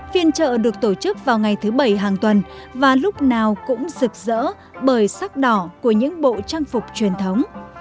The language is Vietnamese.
phiên chợ được tổ chức vào ngày thứ bảy hàng tuần và lúc nào cũng rực rỡ bởi sắc đỏ của những bộ trang phục truyền thống